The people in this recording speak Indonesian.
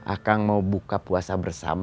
akan mau buka puasa bersama